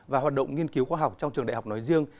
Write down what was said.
và hoạt động nghiên cứu khoa học trong trường đại học nói riêng